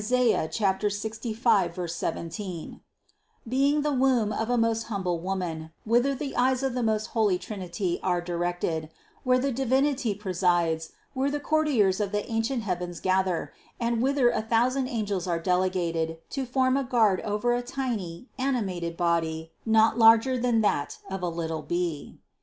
65, 17) being the womb of a most humble woman, whither the eyes of the most holy Trinity are directed, where the Divinity presides, where the courtiers of the ancient heavens gather, and whither a thousand angels are delegated to form a guard over a tiny, animated body not larger than that of a little bee.